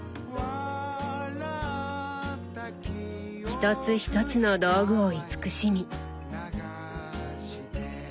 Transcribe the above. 一つ一つの道具を慈しみ。